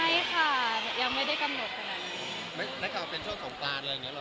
ไม่ค่ะยังไม่ได้กำหนดขนาดนี้น่าจะเป็นช่วงของตอนอย่างเงี้ยหรอ